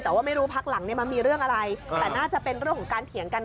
แต่ว่าไม่รู้พักหลังเนี่ยมันมีเรื่องอะไรแต่น่าจะเป็นเรื่องของการเถียงกัน